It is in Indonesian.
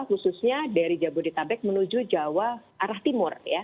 khususnya dari jabodetabek menuju jawa arah timur